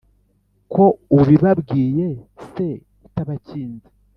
Ko ubibabwiye se utabakinze,